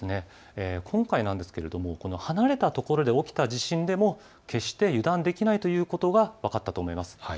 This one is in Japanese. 今回、離れたところで起きた地震でも決して油断はできないということが分かったと思います。